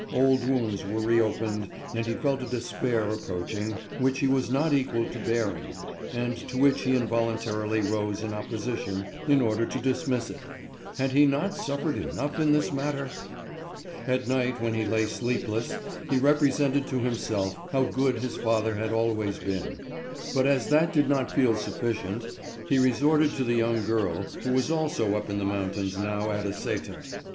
Old wounds were reopened, and he felt a despair approaching, which he was not equal to bearing, and to which he involuntarily rose in opposition, in order to dismiss it. Had he not suffered enough in this matter? At night, when he lay sleepless, he represented to himself how good his father had always been; but as that did not feel sufficient, he resorted to the young girl who was also up in the mountains now at a sæter.